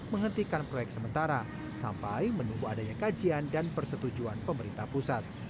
menghentikan proyek sementara sampai menunggu adanya kajian dan persetujuan pemerintah pusat